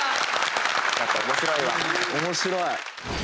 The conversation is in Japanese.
面白い！